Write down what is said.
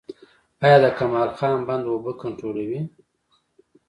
آیا د کمال خان بند اوبه کنټرولوي؟